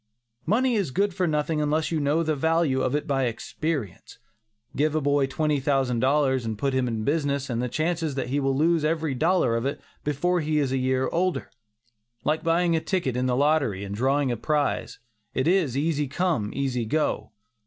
Money is good for nothing unless you know the value of it by experience. Give a boy twenty thousand dollars and put him in business and the chances are that he will lose every dollar of it before he is a year older. Like buying a ticket in the lottery, and drawing a prize, it is "easy come, easy go."